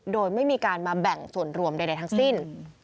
โดยไม่มีการมาแบ่งส่วนรวมใดทั้งสิ้น